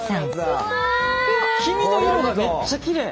黄身の色がめっちゃきれい。